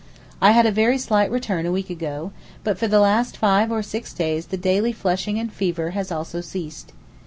I had a very slight return a week ago, but for the last five or six days the daily flushing and fever has also ceased.